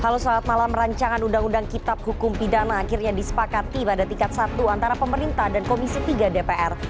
halo selamat malam rancangan undang undang kitab hukum pidana akhirnya disepakati pada tingkat satu antara pemerintah dan komisi tiga dpr